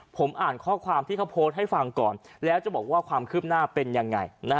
ผมอ่านข้อความที่เขาโพสต์ให้ฟังก่อนแล้วจะบอกว่าความคืบหน้าเป็นยังไง